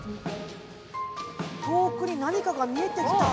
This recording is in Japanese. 遠くに何かが見えてきた。